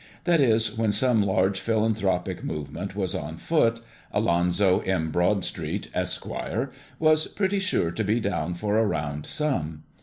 That is, when some large philanthropic movement was on foot, Alonzo M. Broadstreet, Esq., was pretty sure to be down for a round sum.